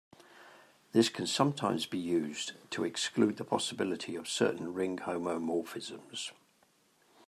This can sometimes be used to exclude the possibility of certain ring homomorphisms.